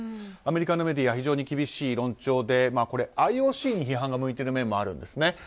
アメリカのメディアは非常に厳しい論調でＩＯＣに批判が向いている面もあるんですね。